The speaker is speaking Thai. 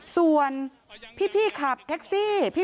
ส่วนพี่ขับแท็กซี่